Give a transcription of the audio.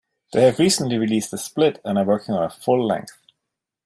They have recently released a split and are working on a full-length.